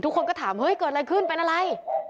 คนก็ถามเฮ้ยเกิดอะไรขึ้นเป็นอะไร